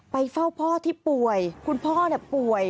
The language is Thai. ไปเฝ้าพ่อที่ป่วยคุณพ่อป่วย